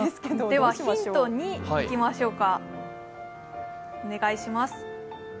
ではヒント２、いきましょうか。